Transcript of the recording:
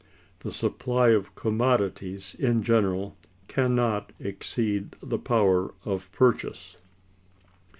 The supply of commodities in general can not exceed the power of Purchase.